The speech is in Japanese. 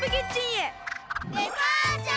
デパーチャー！